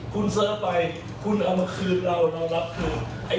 คุณซื้อไปคุณเอามาคืนเราเรารับคืน